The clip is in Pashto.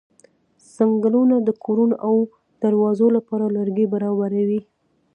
څنګلونه د کورونو او دروازو لپاره لرګي برابروي.